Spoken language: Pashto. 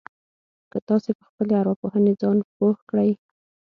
که تاسې په خپلې ارواپوهنې ځان پوه کړئ.